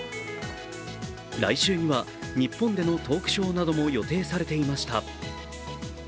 来週には日本でのトークショーなども予定されていました。